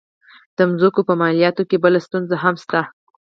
د مځکو په مالیاتو کې بله ستونزه هم شته.